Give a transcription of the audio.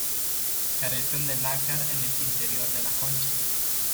Carecen de nácar en el interior de la concha.